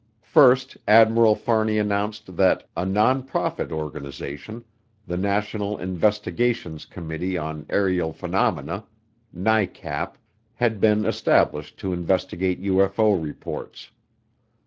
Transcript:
First, Admiral Fahrney announced that a non profit organization, the National Investigations Committee On Aerial Phenomena (NICAP) had been established to investigate UFO reports.